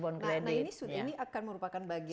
nah ini akan merupakan bagian dari yang di